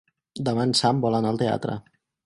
Demà en Sam vol anar al teatre.